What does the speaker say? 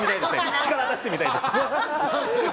口から出してみたいです。